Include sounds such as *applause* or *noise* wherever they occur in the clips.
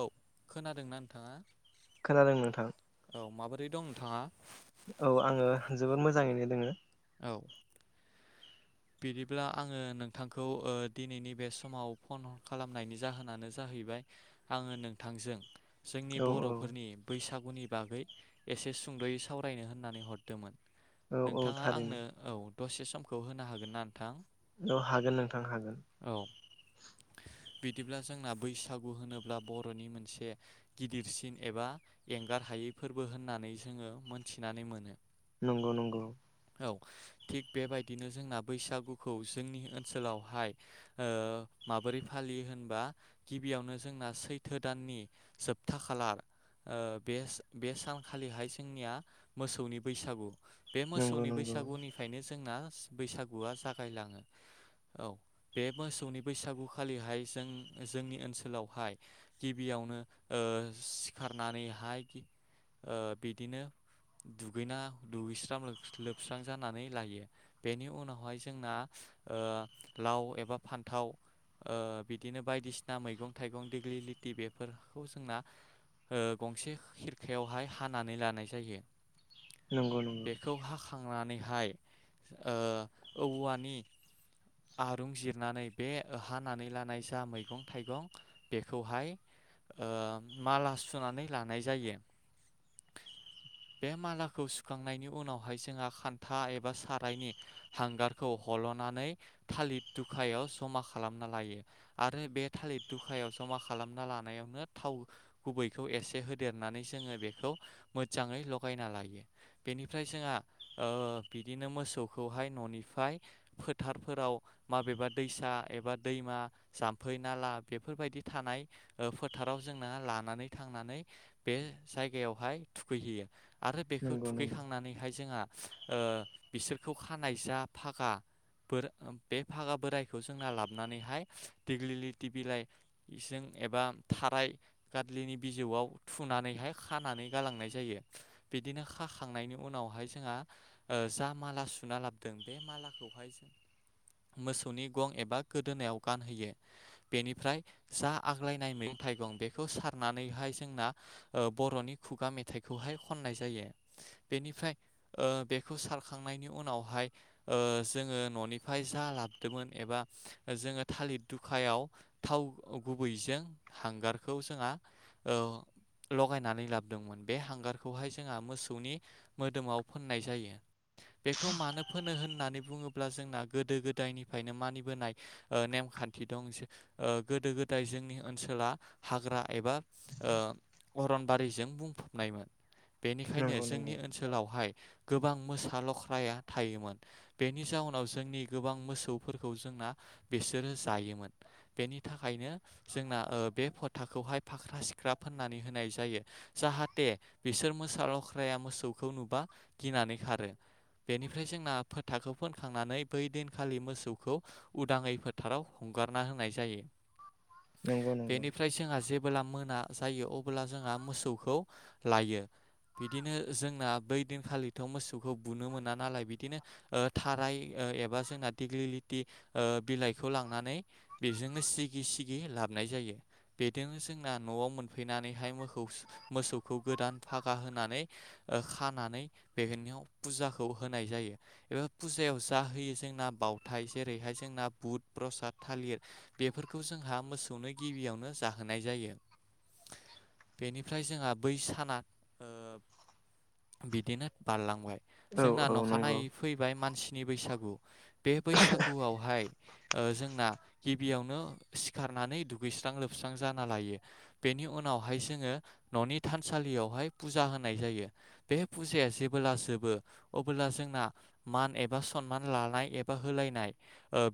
औ खोनादोंना नोंथाङा खोनादों नोंथां औ माबोरै दं नोंथाङा औ आङो जोबोद मोजाङैनो दोङो औ बिदिब्ला आङो नोंथांखौ ओ दिनैनि बे समाव फन खालामनायनि जाहोनानो जाहैबाय आङो नोंथांजों जोंनि औ औ बर'फोरनि बैसागु बागै एसे सुंद'यै सावरायनो होननानै हरदोंमोन औ औ नोंथाङा थारैनो आंनो औ दसे समखौ होनो हागोनना नोंथां औ हागोन नोंथां हागोन *inaudible* बिदिब्ला जोंना बैसागु होनोब्ला बर'नि मोनसे गिदिरसिन एबा एं गारहायै फोरबो होननानै जोङो मोनथिनानै मोनो नंगौ नंगौ औ थिग बेबायदिनो जोंना बैसागुखौ जोंनि ओनसोलावहाय ओ माबोरै फालियो होनबा गिबियावनो जोंना सैथो दाननि जोबथा खालार ओ बे बे सानखालिहाय जोंनिया मोसौनि बैसागु बे नंगौ मोसौनि नंगौ बैसागुनिफ्रायनो जोंना बैसागुआ जागायलाङो औ बे मोसौनि बैसागुखालिहाय जों जोंनि ओनसोलावहाय गिबियाव नो ओ सिखारनानैहाय ओ बिदिनो दुगैना दुगैस्रां लोबस्रां जानानै लायो बेनि उनावहाय जोंना लाव एबा फान्थाव ओ बिदिनो बायदिसिना मैगं थाइगं देग्लि लेथि बेफोरखौ जोंना गंसे खिरखायावहाय हानानै लानाय जायो नंगौ नंगौ नानैहाय औवानि आरुं जिरनानै बे ओहानानै लानाय जा मैगं थाइगं बेखौहाय ओ माला सुनानै लानाय जायो बे मालाखौ सुखांनायनि उनावहाय जोंहा खान्था एबा सारायनि हांगारखौ हल'नानै थालिर दुखायाव ज मा खालाज्ञना लायो आरो बे थालिर दुखायाल जमा खालामना लानायावनो थाव गुबै इखौ एसे होदेरनानै जोङो बेखौ मोजाङै लगायना लायो बेनिफ्राय जोंहा ओ बिदिनो मोसौखौहाय न'निफ्राय फोथारफोराव माबेबा दैसा एबा दैमा जाम्फै नाला बेफोरबायदि थानाय फोथाराव जोंना लानानै थांनानै बे जायगायावहाय थुखैहैयो आरो बेखौ नंगौ थुखैखांनानैहाय जोंहा ओ बिसोरखौ खानाय जा फागा बोर बे फागा बोरायखौ जोंना लाबानैहाय देग्लिलिथि बिलाइजों एबा थाराय गादलिनि बिजौआव थुनानैहाय खानानै गालांनाय जायो बिदिनो खाखांनायनि उनावहाय जोंहा ओ जा माला सुना लाबोदों बे मालाखौहाय जों मोसौनि गं एबा गोदोनायाव गानहोयो बेनिफ्राय जा आग्लायनाय मैगं थाइगं बेखौ सारनानैहाय जोंना बर'नि खुगा मेथाइखौहाय खननाय जायो बेनिफ्राय ओ बेखौ सारखांनायनि उनावहाय ओ जोङो न'निफ्राय जा लाबोदोंमोन एबा जोङो थालिर दुखायाव थाव गुबैजों हांगारखौ जोंहा लगायनानै लाबोदोंमोन बे हांगारखौहाय जोंहा मोसौनि मोदोमाव फोननाय जायो बेखौ मानो फोनो होननानै बुङोब्ला जोंना गोदो गोदायनिफ्रायनो मानिबोनाय नेम खा नथि दं गोदो गोदाय जोंनि ओनसोला हाग्रा एबा अरनबारिजों बुंफबनायमोन बेनिखायनो नंगौ नंगौ जोंनि ओनसोलावहाय गोबां मोसा लख्राया थायोमोन बेनि जाउनाव जोंनि गोबां मोसौफोरखौ जोंना बिसोरो जायोमोन बेनि थाखायनो जोंना बे फथाखौहाय फाख्रा सिख्रा ख्रा फाननानै होनाय जायो जाहाथे बिसोर मोसा लख्राया मोसौखौ नुबा गिनानै खारो बेनिफ्राय जोंना फोथाखौ फोनखांनानै बै दिनखालि मोसौखौ उदाङै फोथाराव ह गारना होनाय जायो नंगौ नंगौ बेनिफ्राय जोंहा जेबोला मोना जायो अबोला जोंहा मोसौखौ लायो बिदिनो जोंना बै दिनखालिथ' मोसौखौ बुनो मोना नालाय बिदिनो थाराय एबा जोंना दिग्लिलिटि बिलाइखौ लांनानै बेजोंनो सिगि सिगि लाबोनाय जायो बेदोंनो जोंना न'आव मोन फैनानैहाय मोसौ मोसौखौ गोदान फागा होनानै खानानै बेनियाव फुजाखौ होनाय जायो एबा फुजायाव जा होयो जोंना बावथाय जेरैहाय जोंना बुद प्रसाद थालिर बेफोरखौ जोंहा मोसौनो गिबियावनो जाहोनाय जायो बेनिफ्राय जोंहा बै साना दिनो बारलांबाय औ जोंना औ नंगौ अखानायै फैबाय मानसि नि बैसागु बे बैसागुआवहाय जोंना गिबियावनो सिखार नानै दुगैस्रां लोबस्रां जाना लायो बेनि उनावहाय जोङो न'नि थानसालियावहाय फुजा होनाय जायो बे फुजाया जेबोला जोबो अबोला जोंना मान एबा सनमान लानाय एबा होलायनाय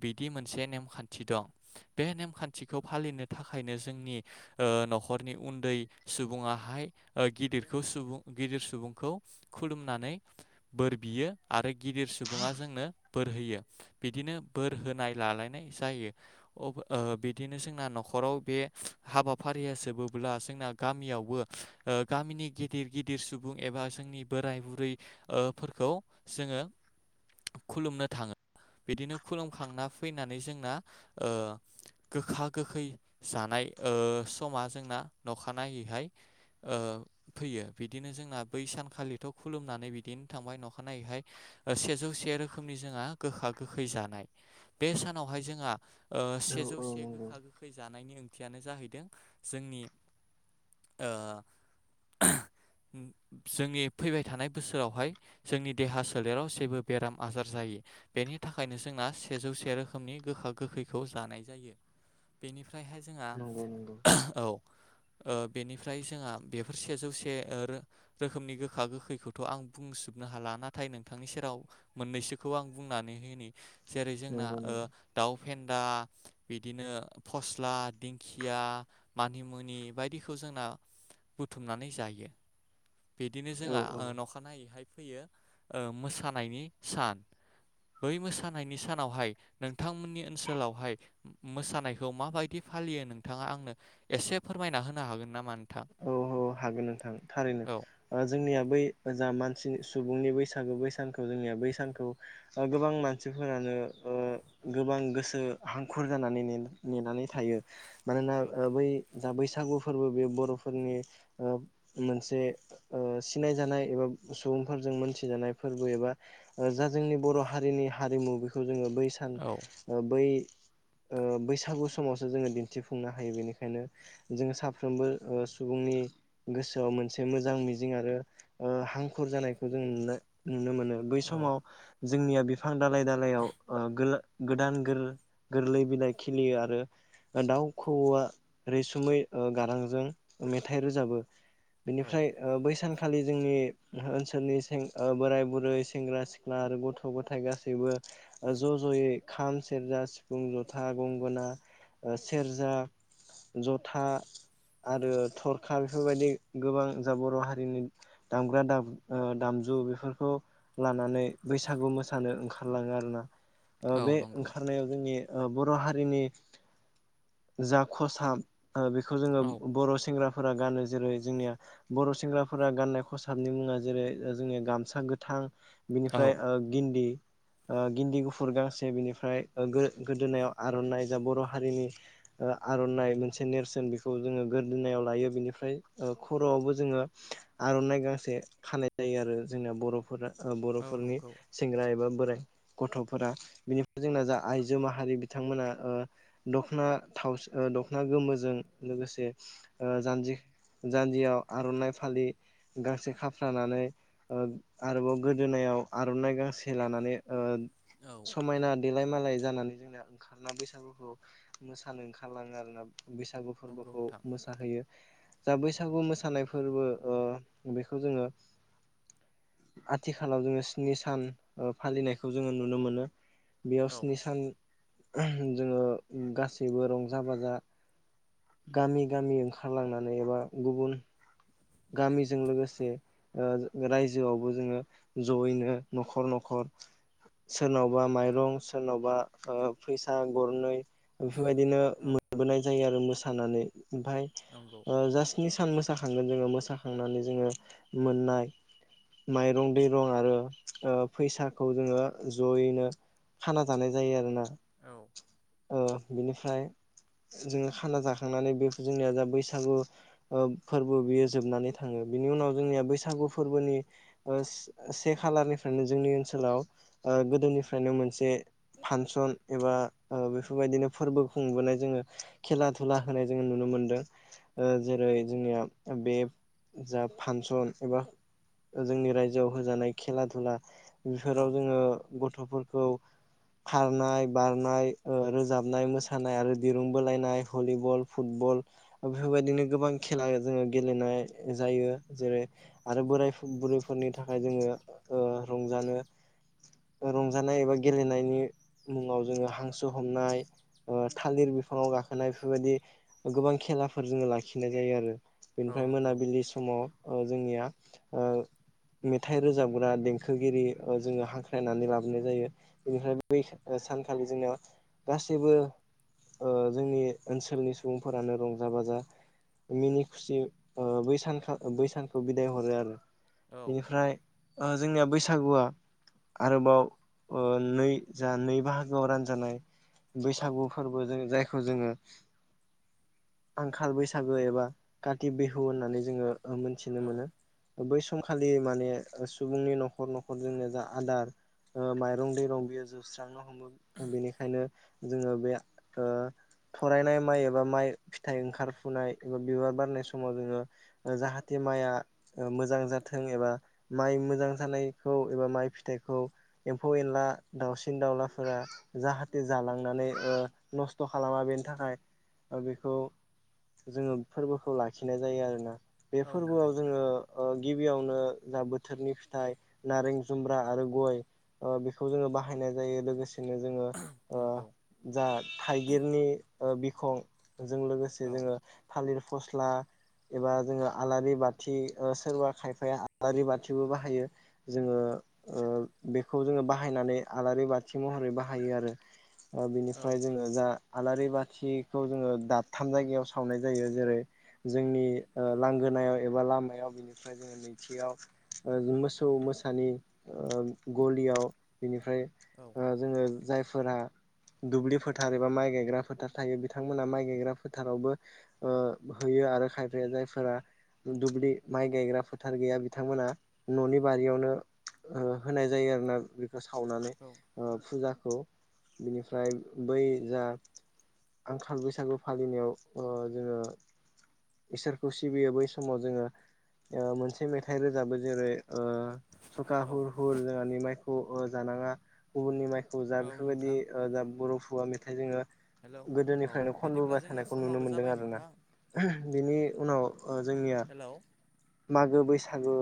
बिदि मोनसे नेम खानथि दं बे नेम खानथिखौ फालिनो थाखायनो जोंनि न'खरनि उन्दै सुबुङाहाय गिदिरखौ सुबुं गिदिर सुबुंखौ खुलुमनानै बोर बियो आरो गिदिर सुबुङा जोंनो बोर होयो बिदि नो बोर होनाय लालायनाय जायो बिदिनो जोंना न'खाव बे हाब हाबाफारिया जोबोब्ला जोंना गामियावबो गामिनि गिदिर गिदिर सुबुं एबा जोंनि बोराय बुरै फोरफोरखौ जोङो खुलुमनो थाङो बिदिनो खुलुमखांना फैनानै जोंना गोखा गोखै जानाय समा जोंना अखानायनायैहाय फैयो बिदिनो जोंना बै सान खालिथ' खुलुमनानै बिदिनो थांबाय नखानायैहाय सेजौ से रोखोमनि जोंहा गोखा गोखै ज बे सानावहाय जोंहा औ सेजौ औ से नंगौ गोखा गोखै जानायनि थियानो जाहैदों जोंनि ओ जोंनि फैबाय थानाय बोसोरावहाय जोंनि देहा सोलेराव जेबो बेराम आजार जायो बेनि थाखाय थाखायनो जोंना सेजौ से रोखोमनि गोखा गोखैखौ जानाय जायो बेनिफ्राय ओमफ्रायहाय नंगौ नंगौ जोंहा औ बेनिफ्राय जोंहा बेफोर सेजौ से रोखोमनि गोखा गोखैखौथ' आं बुंजोबनो हाला नाथाय नोंथांनि सेराव मोननैसोखौ आं बुंनानै ज जों नंगौ नंगौ आदा बिदिनो फस्ला दिंखिया मानिमुनि बायदिखौ जोंना बुथुमनानै जायो बिदिनो औ जोंहा औ नखानायैहाय फैयो मोसानायनि सान बै मोसानायनि सानावहाय नोंथांमोननि ओनसोलावहाय मोसानायखौ माबायदि फालियो नोंथाङा आंनो एसे फोरमायना होनो हागोन नामा नोंथां औ औ हागोन नोंथां थारैनो औ जोंनिया बै जा मानसि सुबुंनि बैसागो बै सानखौ जोंनिया बै सानखौ गोबां म मानसिफोरानो गोबां गोसो हांखुर जानानै नेनानै थायो मानोना औ बै जा बैसागु फोरबो बे बर'फोरनि मोनसे सिनायजानाय एबा सुबुंफोरजों मोनथिजानाय फोरबो एबा जा जोंनि बर' हारिनि हारिमु बेखौ जोङो बै सान बै *unintelligible* बैसागु समावसो जोङो दिन्थिफुंनो हायो। बेनिखायनो जोङो साफ्रोमबो सुबुंनि गोसोआव मोनसे मोजां मिजिं आरो हांखुर जानायखौ जों नुनो नुनो मोनो। बै औ समाव जोंनिया बिफां दालाय दालायाव गोदान गोरलै बिलाइ खिलियो आरो। दाउ खौवआ रैसुमै गारांजों मेथाइ रोजाबो। बिनिफ्राय बै सान खालि जोंनि ओनसोलनिें बोराइ बुरै सेंग्रा सिख्ला आरो गथ' गथाय गासैबो ज' ज'यै खाम सेरजा सिफुं जथा गंगोना सेरजा जथा आरो थरखा बेफोरबायदि गोबां जा बर' हारिनि दामग्रा दामजु बेफोरखौ लानानै बैसागु मोसानो ओंखारलाङो आरोोना औ बे नंगौ ओंखारनायाव जोंनि बर' हारिनि जा खसाब बेखौ जोङो औ बर' सेंग्राफोरा गानो। जेरै जोंनिया बर' सेंग्राफोरा गाननाय खसाबनि मुङा जेरै जोंनिया गामसा गोथां औ बिनिफ्राय गिन्दि गिन्दि गुफुर गांसे बिनिफ्राय गोदोनायाव आर'नाइ जा बर' हारिनि आर'नाइ मोनसे नेरसोन बेखौ जोङो गोरदोनायाव लायो। बिनिफ्राय खर'आवबो जोङो आर'नाइ गांसे खानाय जायो आरो जोंना बर'फोरा औ बर'फोरनि नंगौ सेंग्रा एबा बोराइ गथ'फोरा बिनिफ्राय जोंना जा आइजो माहारि बिथांमोना दख'ना थावसिखौ दख'ना गोमोजों लोगोसे जानजि जान्जियाव आर'नाइ फालि गांसे खाफ्र्रानानै आरोबाव गोदोनाय आर'ना गांसे लानानै औ समायना देलाय मालाय जानानै जोंना ओंखारना बैसागुफोरखौ मोसानो ओंखारलाङो आरोना। बैसागु नंगौ फोरबोखौ नोंथां मोसाहोयो। जा बैसागु मोसानाय फोरबो बेखौ जोङो आथिखालाव जोङो स्नि सान फालिनायखौ जोङो नुनो मोनो। बेयाव औ स्नि सान जोङो गासैबो रंजा बाजा गामि गामि ओंखारलांयो। एबा गुबुन गामिजों लोगोसे रायजोआवबो जोङो जयैनो न'खर न'खर सोरनाव बा माइरं सोरनाव बा फैसा गरनै बेफोरबायदिनो औ मोनबोनाय जायो आरो मोसानानै नंगौ ओमफफ्राय जा स्नि सान मोसाखा खांगोन जोङो मोसाखांनानै जोङो मोननाय माइरं दैरं आरो फैसाखौ जोङो जयैनो खाना जानाय जायो आरो ना। औ औ बिनिफ्राय जोङो खाना जाखांनानै बे जोंनिया जा बैसागु फोरबो बियो जोबनानै थाङो। बिनि उनाव जोंनिया बैसागु फोरबोनि से खालारनिफ्रायनो जोंनि ओनसोलाव गोदोनिफ्रायनो मोनसे फांसन एबा बेफोरबायदिनो फोरबो खुंबोनाय जोङो खेला धुला होनाय जोङो नुनो मोनदों। जेरै ओरै जोंनिया बे जा फांसन एबा जोंनि रायजोआव होजानाय खेला धुला औ बेफोराव जोङो गथ'फोरखौ खारनाय बारनाय रोजाबनाय मोसानाय आरो दिरुं बोलायनाय भलिबल फुटबल बेफोरबायदिनो गोबां खेला जोङो गेलेनाय जायो जेरै आरो बोराय बुरैफोरनि थाखाय जोङो रंजानो रंजानाय एबा गेलेनायनि मुङाव जोङो हांसो ज हमनाय ओ थालिर बिफाङाव गाखोनाय बेफोरबायदि गोबां खेलाफोर जोङो लाखिनाय जायो आरो। औ बेनिफ्राय नंगौ मोनाबिलि समाव ओ जोंनिया ओ मेथाइ रोजाबग्रा देंखोगिरि जोङो हांख्रायनानै लाबोनाय जायो बेनिफ्राय बै सानखालि जोंनाव गासैबो ओ जोंनि ओनसोलनि सुबुंफोरानो रंजा बाजा मिनि खुसि ओ बै सानखा बै सानखौ बिदाय हरो आरो। औ बेनिफ्राय ओ जोंनिया बैसागुआ आरोबाव ओ नै जा नै बाहागोआव रानजानाय औ बैसागु फोरबो जों जाय खौ जोङो आंखाल बैसागो एबा काति बिहु होननानै जोङो मोनथिनो औ मोनो बै सम खालि माने सुबुंनि न'खर न'खरजोंनो जा आदार ओ माइरं दैरं बियो जोबस्रांनो हमो बेनि खायनो जोङो बे ओ थरायनाय माइ एबा माइ फिथाइ ओंखारफुनाय एबा बिबार बारनाय समाव जोङो जाहाथे माइआ मोजां जाथों एबा माइ मोजां जानायखौ एबा माइ फिथाइखौ एम्फौ एनला दाउसिन दाउलाफोरा जाहा थे जालांनानै ओ नस्थ' खालामा बेनि थाखाय बेखौ जोङो फोरबोखौ लाखिनाय जायो आरोना बे औ फोरबोआव नंगौ जोङो गिबियाव नो बोथोरनि फिथाइ नारें जुमब्रा आरो गय बेखौ जोङो बाहायनाय जायो। लोगोसेनो जोङो ओ नंगौ जा थाइगिरनि ओ बिखं जों लोगोसे औ जोङो थालिर फस्ला एबा जोङो आलारि बाथि ओ सोरबा खायफाया आलारि बाथिबो बाहायो जोङो ओ बेखौ जोङो बाहायनानै आलारि बाथि महरै बाहायो आरो। ओ औ बिनिफ्राय जोङो जा आलारि बा थिखौ जोङो दाबथाम जायगायाव सावनाय जायो जेरै जोंनि लांगोनायाव एबा लामायाव बिनिफ्राय जोङो नैथियाव ओ मोसौ मोसानि गलियाव बिनिफ्राय ओ जोङो जायफोरा दुब्लि फोथार एबा माइ गायग्रा फोथार थायो बिथांमोना माइ गायग्रा फोथारावबो ओ होयो आरो खायफाया जायफोरा दुब्लि माइ गायग्रा फोथार गैया बिथांमोना न'नि बारियावनो होनाय जायो आरो ना बेखौ सावनानै औ ओ फुजाखौ। बिनिफ्राय बै जा आंखाल बैसागु फालिनायाव ओ जोङो इसोरखौ सिबियो बै समाव जोङो ओ मोनसे मेथाइ रोजाबो जेरै ओ सखा हुर हुर जोंहानि माइखौ जानाङा गुबुननि माइखौ जा औ औ दि नोंथां जा बर' खुगा मेथाइ जोङो हेलौ औ गोदोनिफ्रायनो बिदिब्ला जोंना समाबो जाबाय नोंथां। बेनि उनाव जोंनिया हेलौ मागो बैसागु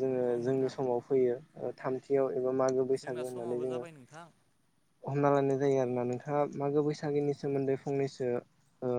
जोङो औ जोंनि नोंथां समाव फैयो थामथियाव एबा मागो जोंना बैसागो होननानै समाबो जोङो जाबाय नोंथां हमना लानाय जायो आरो। ना नोंथाङा मागो बैसागोनि सोमोन्दै फंनैसो ओ